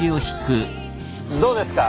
どうですか？